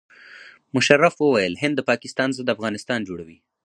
مشرف وویل هند د پاکستان ضد افغانستان جوړوي.